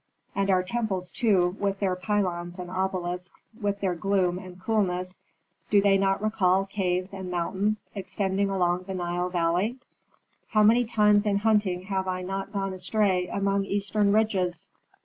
And our temples, too, with their pylons and obelisks, with their gloom and coolness, do they not recall caves and mountains, extending along the Nile valley? How many times in hunting have I not gone astray among eastern ridges!